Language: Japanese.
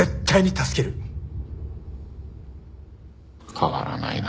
変わらないな。